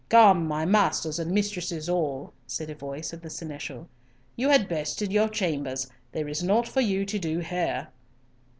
"Come, my masters and mistresses all," said the voice of the seneschal, "you had best to your chambers, there is naught for you to do here."